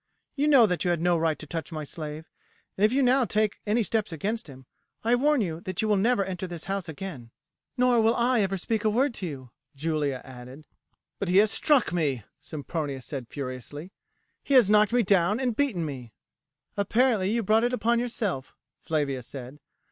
You know that you had no right to touch my slave, and if you now take any steps against him I warn you that you will never enter this house again." "Nor will I ever speak a word to you," Julia added. "But he has struck me," Sempronius said furiously; "he has knocked me down and beaten me." "Apparently you brought it upon yourself," Flavia said.